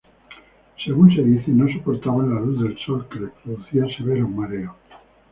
Según se dice, no soportaban la luz del sol, que les producía severos mareos.